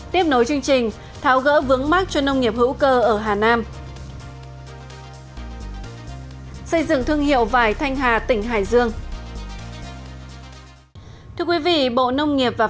tiếp nối chương trình tháo gỡ vướng mắt cho nông nghiệp hữu cơ ở hà nam